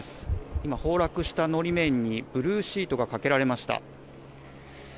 今、崩落した法面にブルーシートがかけられました。